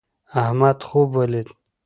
احمد خوب ولید